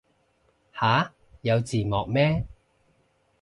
吓有字幕咩